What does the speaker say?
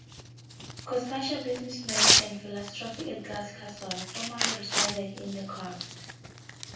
Coushatta businessman and philanthropis Edgar Cason, formerly resided in Lecompte.